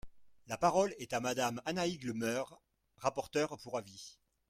La parole est à Madame Annaïg Le Meur, rapporteure pour avis.